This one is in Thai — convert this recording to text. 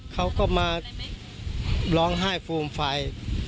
เขาก็มาร้องไห้ฟูมไฟ